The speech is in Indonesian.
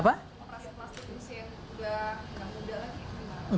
operasi kelas itu usia yang udah muda lagi